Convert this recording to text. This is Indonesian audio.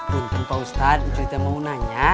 benteng pak ustadz njui mau nanya